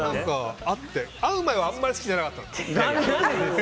会う前はあんまり好きじゃなかった。